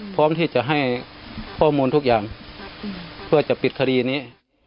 พร้อมที่จะให้ข้อมูลทุกอย่างเพื่อจะปิดคดีนี้